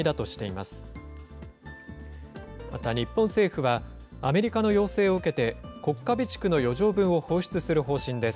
また日本政府は、アメリカの要請を受けて、国家備蓄の余剰分を放出する方針です。